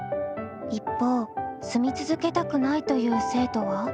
一方住み続けたくないという生徒は？